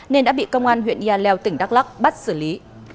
nên đã bị công an huyện yà leo tỉnh đắk lắc bắt xử lý